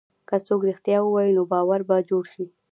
که څوک رښتیا ووایي، نو باور به جوړ شي.